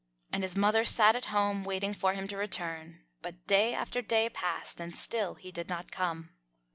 And his mother sat at home waiting for him to return, but day after day passed and still he did not come.